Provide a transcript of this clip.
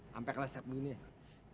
sampai kelas siap minggu ini